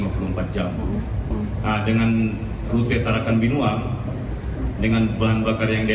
pesawat pengintai milik tni angkatan udara saudara